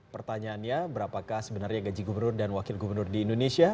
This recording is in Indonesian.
pertanyaannya berapakah sebenarnya gaji gubernur dan wakil gubernur di indonesia